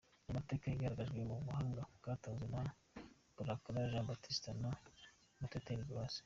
Aya mateka yagaragajwe mu buhamya bwatanzwe na Burakari Jean Baptiste na Muteteri Grace.